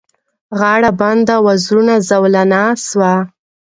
غاړه بنده وزرونه زولانه سوه